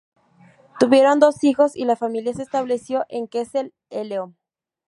Tuvieron dos hijos y la familia se estableció en Kessel-Lo.